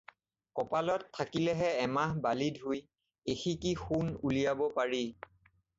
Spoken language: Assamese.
কপালত থাকিলেহে এমাহ বালি ধুই এসিকি সোণ উলিয়াব পাৰি।